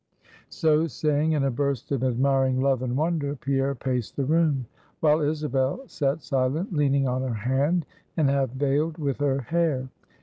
So saying, in a burst of admiring love and wonder, Pierre paced the room; while Isabel sat silent, leaning on her hand, and half vailed with her hair.